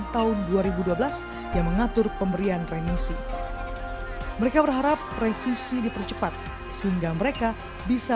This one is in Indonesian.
tahun dua ribu dua belas yang mengatur pemberian remisi mereka berharap revisi dipercepat sehingga mereka bisa